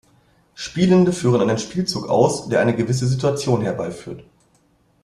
Spielende führen einen Spielzug aus, der eine gewisse Situation herbeiführt.